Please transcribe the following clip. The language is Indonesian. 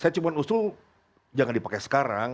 saya cuma usul jangan dipakai sekarang